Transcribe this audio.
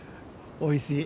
おいしい。